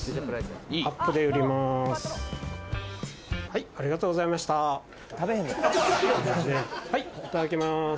はいいただきます